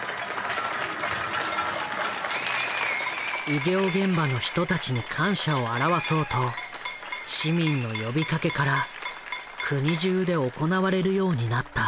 医療現場の人たちに感謝を表そうと市民の呼びかけから国じゅうで行われるようになった。